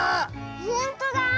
ほんとだ！